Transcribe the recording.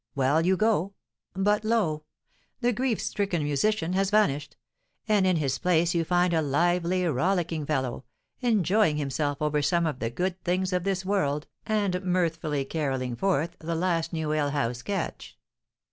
Well, you go. But, lo! the grief stricken musician has vanished; and in his place you find a lively, rollicking fellow, enjoying himself over some of the good things of this world, and mirthfully carolling forth the last new alehouse catch.